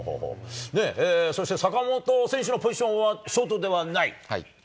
そして坂本選手のポジションはショートではない？